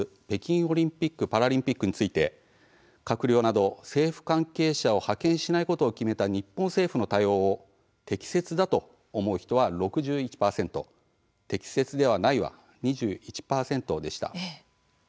北京オリンピック・パラリンピックについて閣僚など政府関係者を派遣しないことを決めた日本政府の対応を「適切だ」と思う人は６１％「適切ではない」は２１％でした。